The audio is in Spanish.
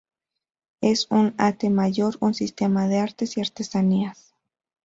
Es un ate mayor, un sistema de artes y artesanías".